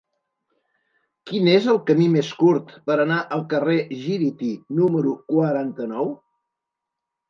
Quin és el camí més curt per anar al carrer Gíriti número quaranta-nou?